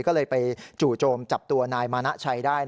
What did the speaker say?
ก็เลยไปจู่โจมจับตัวนายมานะชัยได้